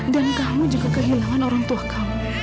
dan kamu juga kehilangan orang tua kamu